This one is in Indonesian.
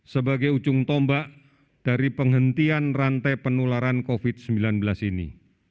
sebagai ujung tombak dari penghentian rantai penularan covid sembilan belas ini